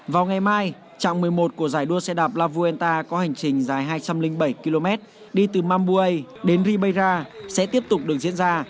vào ngày mai trạng một mươi một của giải đua xe đạp la vuenta có hành trình dài hai trăm linh bảy km đi từ mambue đến ribeira sẽ tiếp tục được diễn ra